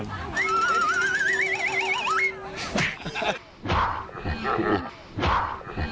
ค่ะ